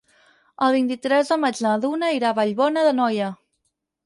El vint-i-tres de maig na Duna irà a Vallbona d'Anoia.